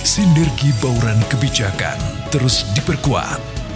sinergi bauran kebijakan terus diperkuat